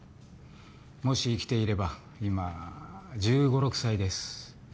もし生きていれば今１５１６歳です。